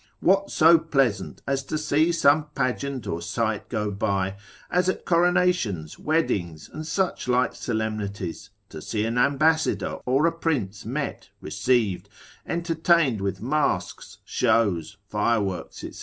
What so pleasant as to see some pageant or sight go by, as at coronations, weddings, and such like solemnities, to see an ambassador or a prince met, received, entertained with masks, shows, fireworks, &c.